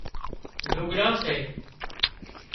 لُگھڙان سي